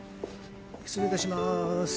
失礼いたします。